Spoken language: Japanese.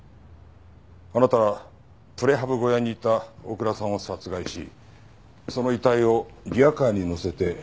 あなたはプレハブ小屋にいた大倉さんを殺害しその遺体をリヤカーに乗せて運んだんじゃありませんか？